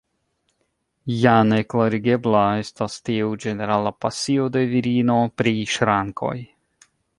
Ja ne klarigebla estas tiu ĝenerala pasio de virino pri ŝrankoj.